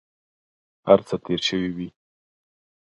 هر څه تېر شوي وي.